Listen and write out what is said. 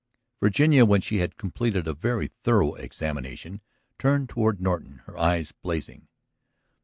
Virginia, when she had completed a very thorough examination, turned toward Norton, her eyes blazing.